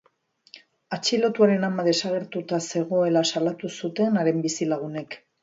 Atxilotuaren ama desagertuta zegoela salatu zuten haren bizilagunek.